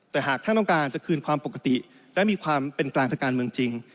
แต่หากท่านต้องการจะคืนความปกติและมีความเป็นกลางทางการเมืองจริง